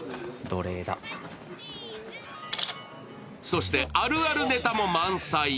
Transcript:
そして、あるあるネタも満載。